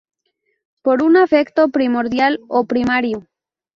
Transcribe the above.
Por un efecto primordial o primario.